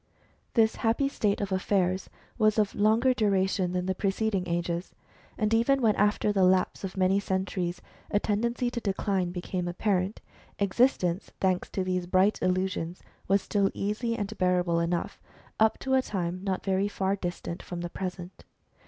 This happy state of affairs was of longer duration than the preceding ages. And even when after the lapse of many centuries, a tendency to decline became apparent, existence, thanks to these bright illusions, was still easy and bearable enough, up to a time not very far distant from the present.